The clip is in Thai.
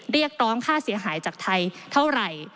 เรียกร้องค่าเสียหายจากไทยเท่าไหร่